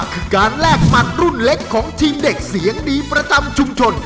คือการแลกหมัดรุ่นเล็กของทีมเด็กเสียงดีประจำชุมชน